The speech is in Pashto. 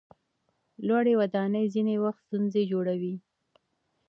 لوړې ودانۍ ځینې وخت ستونزې جوړوي.